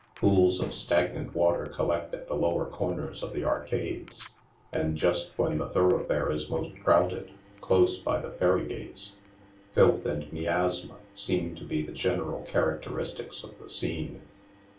Pools of stagnant water collect at the lower corners of the arcades ; and just when the thoroughfare is most crowded, close by the ferry gates, filth and miasma seem to be the general characteristics of the scene.